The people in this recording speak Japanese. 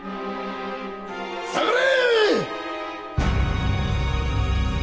下がれ！